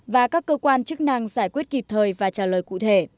và các cơ quan chức năng giải quyết kịp thời và trả lời cụ thể